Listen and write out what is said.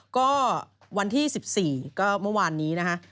ก็วันที่๑๔ก็เมื่อวานนี้นะคะ